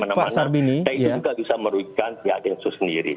dan juga bisa merujikan pihak densus sendiri